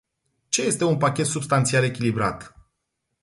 Ce este un pachet substanțial echilibrat?